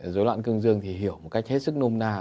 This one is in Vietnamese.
dối loạn cương dương thì hiểu một cách hết sức nôm na